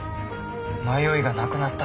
迷いがなくなった